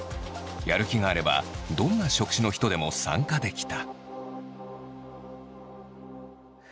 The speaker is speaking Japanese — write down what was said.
やる気があればどんな職種の人でも参加できた。